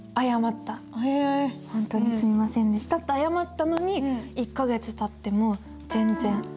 「ほんとにすみませんでした」って謝ったのに１か月たっても全然駄目で。